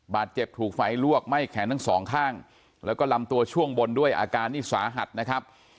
ถูกไฟลวกไหม้แขนทั้งสองข้างแล้วก็ลำตัวช่วงบนด้วยอาการนี่สาหัสนะครับ